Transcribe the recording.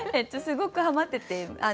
すごくはまってて。